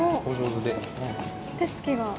手つきが。